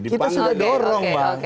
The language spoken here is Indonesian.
kita sudah dorong bang